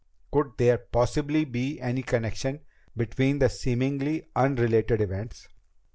Could there possibly be any connection between the seemingly unrelated events?